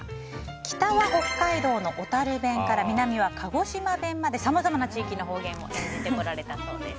北は北海道の小樽弁から南は鹿児島弁までさまざまな地域の方言を演じてこられたそうです。